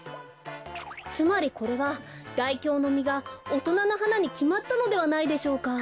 つまりこれは大凶のみがおとなの花にきまったのではないでしょうか？